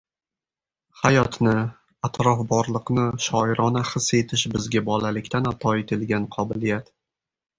Hayotni, atrof-borliqni shoirona his etish – bizga bolalikdan ato etilgan qobiliyat.